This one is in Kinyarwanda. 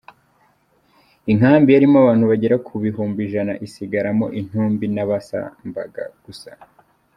Inkambi yarimo abantu bagera ku bihumbi ijana isigaramo intumbi n’abasambaga gusa.